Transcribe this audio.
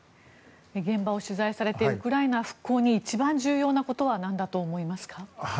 現場を取材されてウクライナ復興に一番重要なことは何だと思いますか？